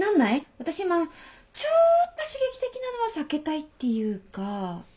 私今ちょっと刺激的なのは避けたいっていうか。